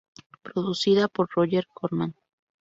Producida por Roger Corman.